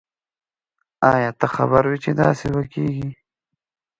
آیا ته خبر وی چې داسي به کیږی